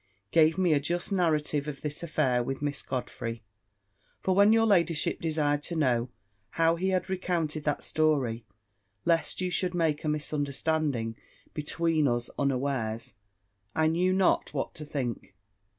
gave me a just narrative of this affair with Miss Godfrey: for when your ladyship desired to know how he had recounted that story, lest you should make a misunderstanding between us unawares, I knew not what to think.